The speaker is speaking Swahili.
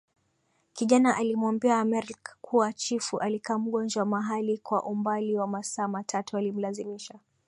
Kijana alimwambia Merkl kuwa chifu alikaa mgonjwa mahali kwa umbali wa masaa matatu Walimlazimisha